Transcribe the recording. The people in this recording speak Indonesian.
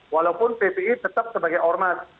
walaupun ppi tetap sebagai ormas